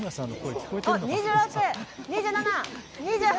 ２６、２７、２８。